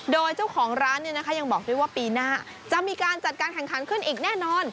โดยเจ้าของร้านยังบอกด้วยว่าปีหน้าจะมีการจัดการแข่งขันขึ้นอีกแน่นอน